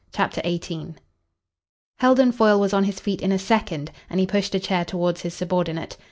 CHAPTER XVIII Heldon Foyle was on his feet in a second, and he pushed a chair towards his subordinate.